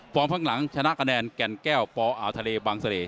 ฟอร์มข้างหลังชนะแก่นแก่วปอาวทะเลบางเศรษฐ์